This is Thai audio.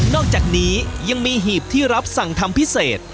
อกจากนี้ยังมีหีบที่รับสั่งทำพิเศษ